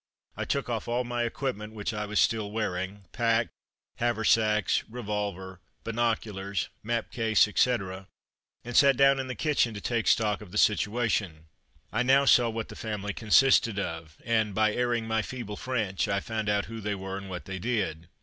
I took off all my equipment, which I was still wearing, pack, haversacks, revolver, binoculars, map case, etc., and sat down in the kitchen to take stock of the situation. I now saw what the family consisted of; and by airing my feeble French, I found out who they were and what they did.